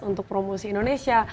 untuk promosi indonesia